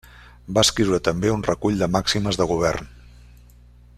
Va escriure també un recull de màximes de govern.